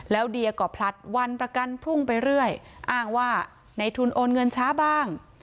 แล้วเดียก็พลัดวันประกันพรุ่งไปเรื่อยอ้างว่าในทุนโอนเงินช้าบ้าง